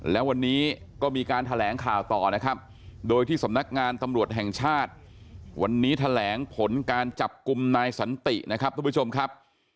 แล้ววันนี้ก็มีการแถลงข่าวต่อนะครับโดยที่สำนักงานตำรวจแห่งชาติวันนี้แถลงผลการจับกลุ่มนายสันตินะครับทุกผู้ชมครับ